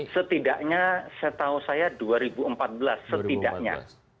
setidaknya saya tahu saya dua ribu empat belas setidaknya